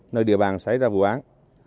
nơi địa bàn xảy ra vụ án